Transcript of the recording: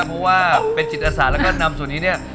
เพราะว่าเป็นจิตอาสาแล้วก็นำส่วนนี้เนี่ย